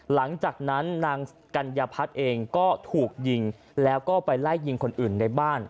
หลังจากนั้นนางกัญญาพัฒน์เองก็ถูกยิงแล้วก็ไปไล่ยิงคนอื่นในบ้าน